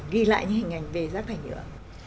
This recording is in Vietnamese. ghi lại những hình ảnh về rác thải nhựa